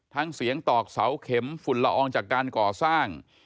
ทั้งเสียงตอกเสาเข็มฝุ่นละอองจากการก่อสร้าง